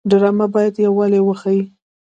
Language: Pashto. ډرامه باید یووالی وښيي